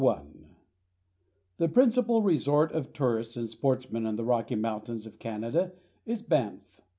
_ The principal resort of tourists and sportsmen in the Rocky Mountains of Canada is Banff.